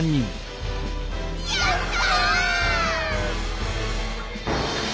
やった！